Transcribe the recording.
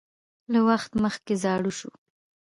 له وخت مخکې زاړه شو